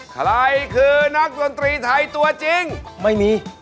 ใครคือนักดนตรีไทยตัวจริงไม่มี